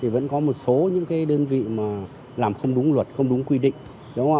vẫn có một số đơn vị làm không đúng luật không đúng quy định